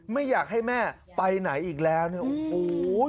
ไม่อยากให้แม่ไปไหนอีกแล้วเนี่ยโอ้โห